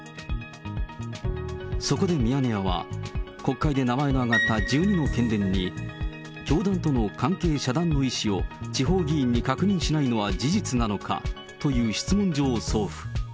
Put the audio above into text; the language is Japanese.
そこでミヤネ屋は、国会で名前が挙がった１２の県連に、教団との関係遮断の意思を地方議員に確認しないのは事実なのかという質問状を送付。